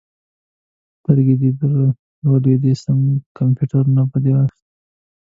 سترګې دې درلودې؛ سم کمپيوټر به دې اخيست.